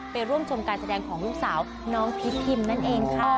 ไปร่วมชมการแสดงของลูกสาวน้องพีชพิมนั่นเองค่ะ